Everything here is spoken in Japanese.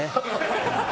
ハハハハ！